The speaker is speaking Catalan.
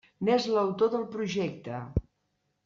N'és l'autor del projecte.